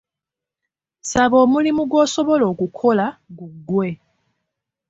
Saba omulimu gw'osobola okukola guggwe.